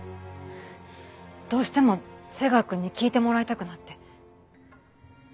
どうしても瀬川くんに聞いてもらいたくなって。